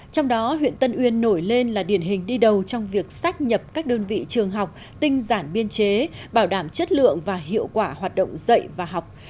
trong đó huyện tân uyên nổi lên là điển hình đi đầu trong việc xác nhập các đơn vị trường học tinh giản biên chế bảo đảm chất lượng và hiệu quả hoạt động dạy và học